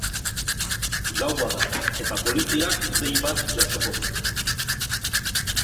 Gaua da eta poliziak dei bat jasoko du.